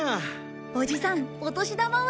おじさんお年玉は？